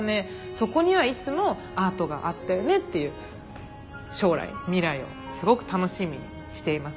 そこにはいつもアートがあったよねっていう将来未来をすごく楽しみにしています。